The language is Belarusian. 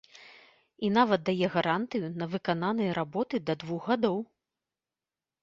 І нават дае гарантыю на выкананыя работы да двух гадоў.